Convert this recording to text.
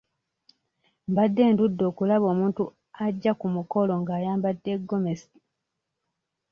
Mbadde ndudde okulaba omuntu ajja ku mukolo ng'ayambadde gomesi.